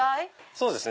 そうですね。